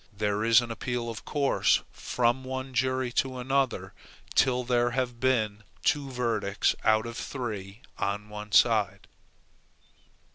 There is an appeal of course from one jury to another, till there have been two verdicts out of three on one side.